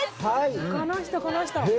この人この人。